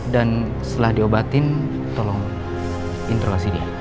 dan setelah diobatin tolong interaksi dia